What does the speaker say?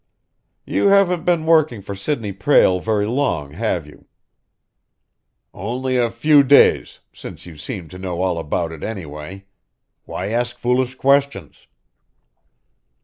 "You haven't been working for Sidney Prale very long, have you?" "Only a few days since you seem to know all about it, anyway. Why ask foolish questions?"